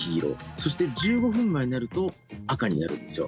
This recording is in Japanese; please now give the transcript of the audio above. そして１５分前になると赤になるんですよ。